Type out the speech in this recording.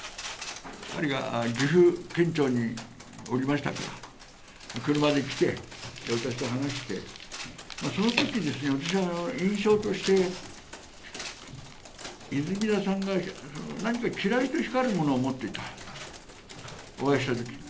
彼が岐阜県庁におりましたから、車で来て、私と話して、そのとき、私は印象として、泉田さんが何かキラリと光るものを持っていた、お会いしたときに。